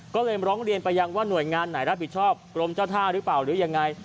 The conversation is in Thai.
ก็เลยร้องเรียนไปยังว่าหน่วยงานไหนรับผิดชอบกรมเจ้าท่าหรือเปล่าหรือยังไง